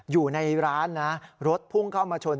อยู่ในร้านนะรถพุ่งเข้ามาชน